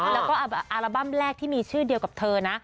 แล้วก็อัลบั้มแรกที่มีชื่อเดียวกับเธอนะ